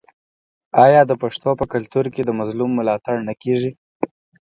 آیا د پښتنو په کلتور کې د مظلوم ملاتړ نه کیږي؟